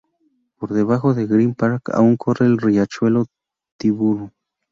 Por debajo de Green Park aún corre el riachuelo Tyburn.